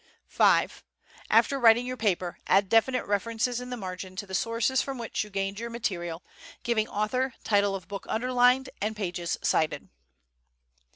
V. After writing your paper, add definite references in the margin to the sources from which you gained your material, giving author, title of book underlined, and pages cited.